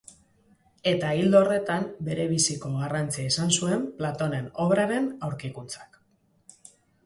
Eta ildo horretan, berebiziko garrantzia izan zuen Platonen obraren aurkikuntzak.